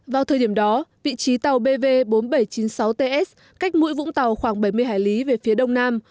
vào thời điểm đó vị trí tàu bv bốn nghìn bảy trăm chín mươi sáu ts cách mũi vũng tàu khoảng bảy mươi hải lý về phía đông nam